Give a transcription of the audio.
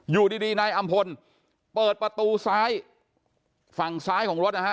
อยู่ดีนายอำพลเปิดประตูซ้ายฝั่งซ้ายของรถนะฮะ